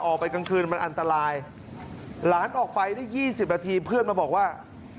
ออกไปกลางคืนมันอันตรายหลานออกไปได้๒๐นาทีเพื่อนมาบอกว่า